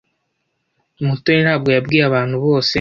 Mutoni ntabwo yabwiye abantu bose.